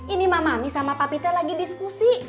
ini mamami sama papi teh lagi diskusi